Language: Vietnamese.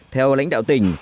theo lãnh đạo tỉnh